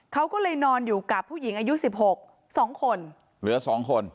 เขาก็เลยนอนอยู่กับผู้หญิงอายุสิบหกสองคนเหลือสองคน